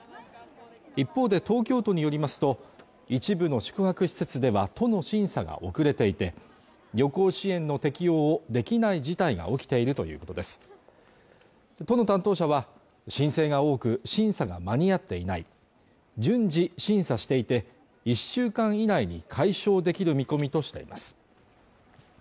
一方で東京都によりますと一部の宿泊施設では都の審査が遅れていて旅行支援の適用をできない事態が起きているということです都の担当者は申請が多く審査が間に合っていない順次審査していて１週間以内に解消できる見込みとしています